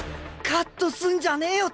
カットすんじゃねえよ